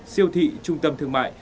siêu thị trung tâm thương mại